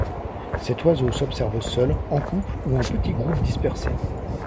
Cet oiseau s'observe seul, en couple ou en petits groupes dispersés.